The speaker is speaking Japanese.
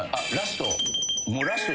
ラスト。